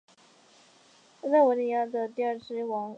塞涅德古埃及早王朝时期第二王朝国王。